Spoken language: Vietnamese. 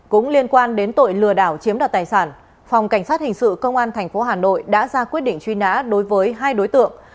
cũng liên quan đến tội lừa đảo chiếm đoạt tài sản phòng cảnh sát hình sự công an tp hà nội đã ra quyết định truy nã đối với hai đối tượng